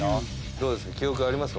どうですか？